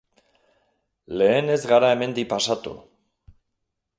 Lehen ez gara hemendik pasatu.